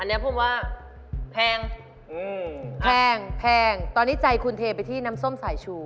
อันนี้ผมว่าแพงแพงแพงตอนนี้ใจคุณเทไปที่น้ำส้มสายชู